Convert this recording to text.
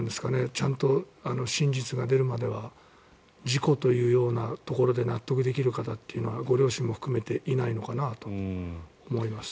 ちゃんと真実が出るまでは事故というところで納得できる方というのはご両親も含めていないのかなと思います。